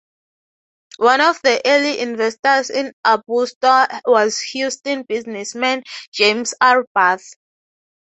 One of the early investors in Arbusto was Houston businessman James R. Bath.